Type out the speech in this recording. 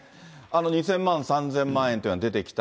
２０００万、３０００万円というのが出てきた。